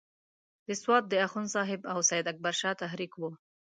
د سوات د اخوند صاحب او سید اکبر شاه تحریک وو.